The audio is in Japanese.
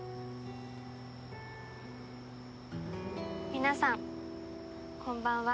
皆さんこんばんは。